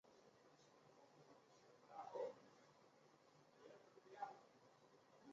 开启了台湾桧木经由日本三菱株式会社外销独占日本市场十余年的荣景。